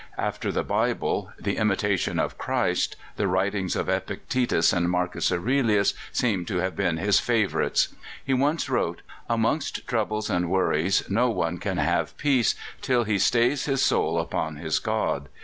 After the Bible, the "Imitation of Christ," the writings of Epictetus and Marcus Aurelius, seem to have been his favourites. He once wrote: "Amongst troubles and worries no one can have peace till he stays his soul upon his God.